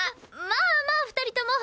まあまあ２人とも。